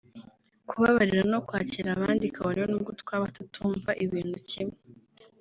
kubabarira no kwakira abandi kabone n’ubwo twaba tutumva ibintu kimwe